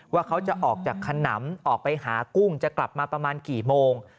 ว่าเขาจะออกจากขนำออกไปหากุ้งจะกลับมาประมาณกี่โมง